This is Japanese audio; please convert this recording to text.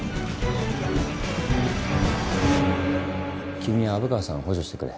君は虻川さんを補助してくれ。